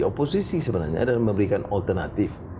oposisi sebenarnya adalah memberikan alternatif